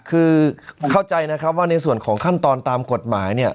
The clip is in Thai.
คือเข้าใจนะครับว่าในส่วนของขั้นตอนตามกฎหมายเนี่ย